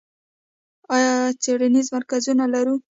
آیا څیړنیز مرکزونه لرو؟